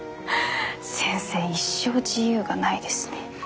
先生一生自由がないですね。